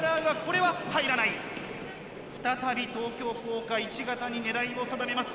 再び東京工科１型に狙いを定めます。